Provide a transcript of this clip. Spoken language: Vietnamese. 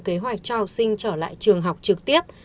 kế hoạch cho học sinh trở lại trường học trực tiếp